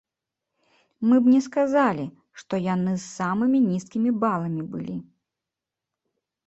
Мы б не сказалі, што яны з самымі нізкімі баламі былі.